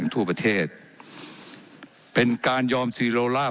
ว่าการกระทรวงบาทไทยนะครับ